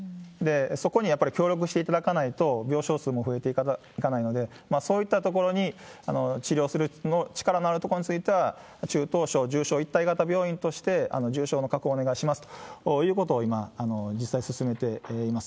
そこにやっぱり協力していただかないと、病床数も増えていかないので、そういった所に、治療する力のあるところについては、中等症、重症一体型病院として、重症の確保をお願いしますということを今実際進めています。